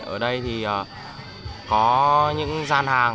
ở đây thì có những giai đoạn